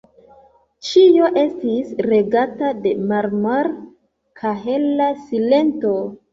Ĉio estis regata de marmor-kahela silento.